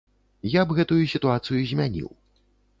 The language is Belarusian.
Я б гэтую сітуацыю змяніў.